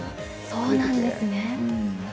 そうなんですね。